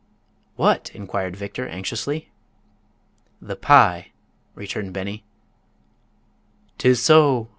"What?" inquired Victor, anxiously. "The pie," returned Beni. "'Tis so!"